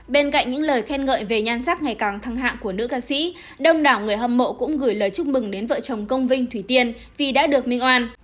bên cạnh những lời khen ngợi về nhan sắc ngày càng thăng hạng của nữ ca sĩ đông đảo người hâm mộ cũng gửi lời chúc mừng đến vợ chồng công vinh thủy tiên vì đã được minh oan